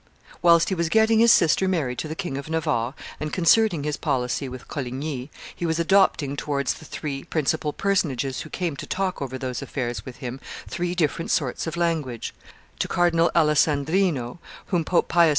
Whilst he was getting his sister married to the King of Navarre and concerting his policy with Coligny, he was adopting towards the three principal personages who came to talk over those affairs with him three different sorts of language; to Cardinal Alessandrino, whom Pope Pius V.